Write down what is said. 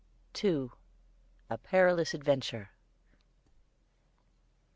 _II. A PERILOUS ADVENTURE.